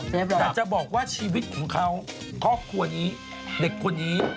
แต่จะบอกว่าชีวิตของเขาครอบครัวนี้เด็กคนนี้